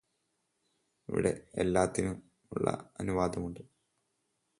ഇവിടെ എല്ലാത്തിനുമുള്ള അനുവാദമുണ്ട്